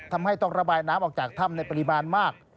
ทำให้ต้องระบายน้ำออกจากถ้ำในปริมาณมาก